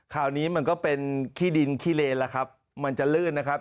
คราวนี้มันก็เป็นขี้ดินขี้เลนแล้วครับมันจะลื่นนะครับ